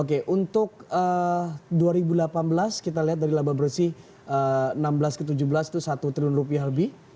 oke untuk dua ribu delapan belas kita lihat dari laba bersih enam belas ke tujuh belas itu satu triliun rupiah lebih